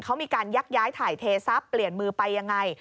เขามีการยักย้ายถ่ายเททรัพย์เปลี่ยนมือไปยังไง